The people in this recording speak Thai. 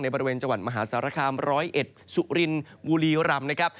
ในบริเวณจังหวันมหาศาลคาม๑๐๑สุรินวุลีรำ